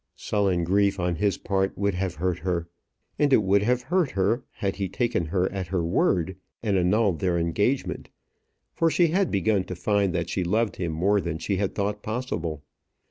Sullen grief on his part would have hurt her. And it would have hurt her had he taken her at her word and annulled their engagement; for she had begun to find that she loved him more than she had thought possible.